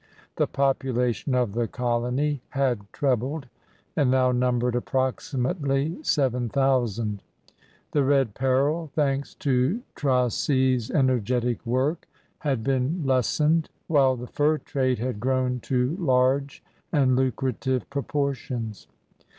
The population of the colony had trebled, and now numbered approximately seven thousand; the red peril, thanks to Tracy^s energetic work, had been lessened; while the fur trade had grown to large and lucrative proportions.